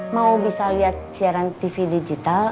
mau bisa lihat siaran tv digital